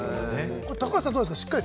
高橋さんはどうですか？